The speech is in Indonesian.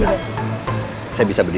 silahkan saya pemasukkan ya